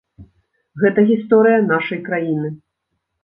Гэта гісторыя нашай краіны!